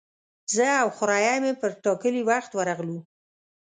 زه او خوریی مې پر ټاکلي وخت ورغلو.